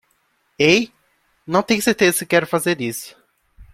Ei? Não tenho certeza se quero fazer isso.